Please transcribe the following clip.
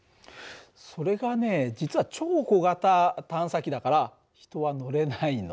それがね実は超小型探査機だから人は乗れないの。